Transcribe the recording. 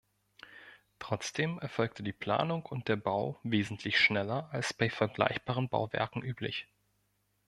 Trotzdem erfolgte die Planung und der Bau wesentlich schneller als bei vergleichbaren Bauwerken üblich.